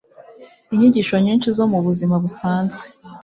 inyigisho nyinshi zo mu buzima busanzwe